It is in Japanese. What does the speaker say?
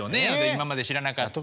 今まで知らなかった。